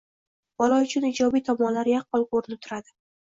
Bola uchun ijobiy tomonlari yaqqol ko‘rinib turadi: